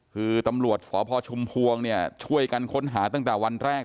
คือตำรวจสพชุมพวงเนี่ยช่วยกันค้นหาตั้งแต่วันแรก